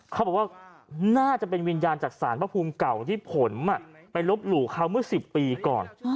เขาบอกว่าน่าจะเป็นวิญญาณจากสารพระภูมิเก่าที่ผมไปลบหลู่เขาเมื่อ๑๐ปีก่อน